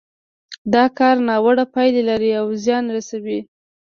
دا کار ناوړه پايلې لري او زيان رسوي.